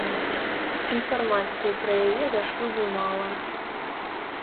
Інфармацыі пра яе да шлюбу мала.